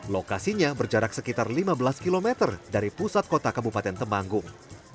lokasinya berjarak sekitar lima belas km dari pusat kota kabupaten temanggung